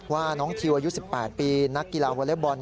ว่าน้องทิวอายุ๑๘ปีนักกีฬาวอเล็กบอล